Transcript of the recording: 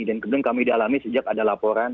dan kemudian kami dialami sejak ada laporan